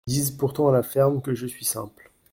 Ils disent pourtant à la ferme que je suis simple.